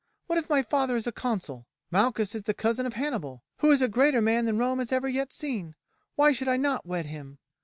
What if my father is a consul? Malchus is the cousin of Hannibal, who is a greater man than Rome has ever yet seen. Why should I not wed him?"